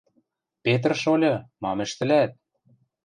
— Петр шольы, мам ӹштӹлӓт?